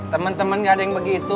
temen temen gak ada yang begitu